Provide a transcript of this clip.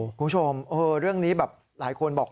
คุณผู้ชมเรื่องนี้แบบหลายคนบอก